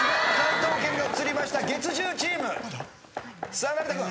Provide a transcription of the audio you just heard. さあ成田君。